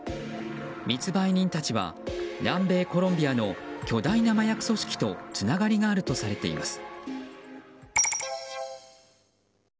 密売人たちは、南米コロンビアの巨大な麻薬組織とつながりがあるとされています。